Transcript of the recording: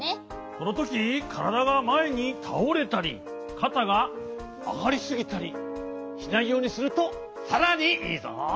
このときからだがまえにたおれたりかたがあがりすぎたりしないようにするとさらにいいぞ。